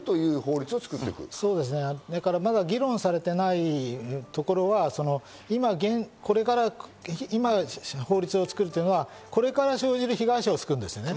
まだ議論されていないところは今これから法律を作るというのは、これから生じる被害者を救うんですね。